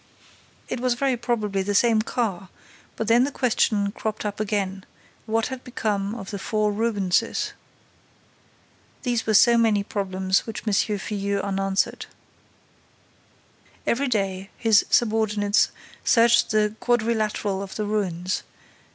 It was very probably the same car; but then the question cropped up again: what had become of the four Rubenses? These were so many problems which M. Filleul unanswered. Every day, his subordinates searched the quadrilateral of the ruins.